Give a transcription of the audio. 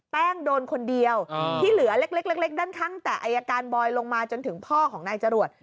โดนคนเดียวที่เหลือเล็กด้านข้างแต่อายการบอยลงมาจนถึงพ่อของนายจรวด